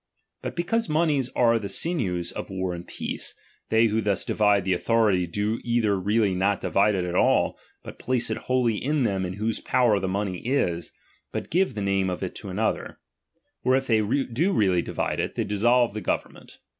But because monies are the sinews of war and peace, they who thus divide the authority, do either really not divide it at all, but place it wholly in them in whose power the money is, but give the name of it to another : or if they do really divide it, they dissolve the government.